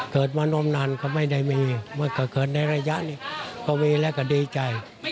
เกิดมานมนานก็ไม่ได้มีมันก็เกิดในระยะนี้ก็มีแล้วก็ดีใจ